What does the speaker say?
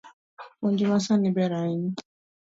Puonj masani ber ahinya